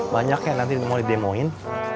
banyak yang nanti mau di demoin